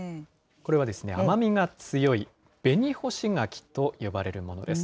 これは甘みが強い紅干し柿と呼ばれるものです。